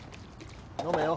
飲めよ。